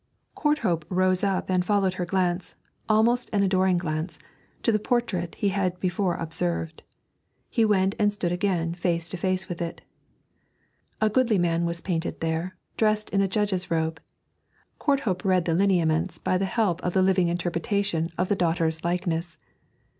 Courthope rose up and followed her glance, almost an adoring glance, to the portrait he had before observed. He went and stood again face to face with it. A goodly man was painted there, dressed in a judge's robe. Courthope read the lineaments by the help of the living interpretation of the daughter's likeness.